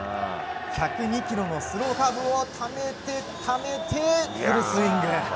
１０２キロのスローカーブをためて、ためてフルスイング！